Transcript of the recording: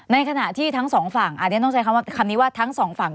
ในขณะที่ทั้งสองฝั่งอันนี้ต้องใช้คำนี้ว่าทั้งสองฝั่ง